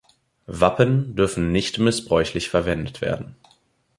Wappen dürfen nicht missbräuchlich verwendet werden.